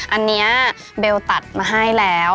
อันนี้เบลตัดมาให้แล้ว